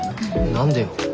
何でよ。